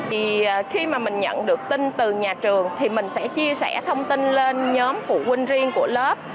vì khi mà mình nhận được tin từ nhà trường thì mình sẽ chia sẻ thông tin lên nhóm phụ huynh riêng của lớp